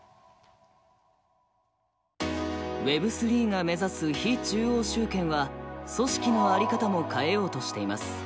Ｗｅｂ３が目指す非中央集権は組織の在り方も変えようとしています。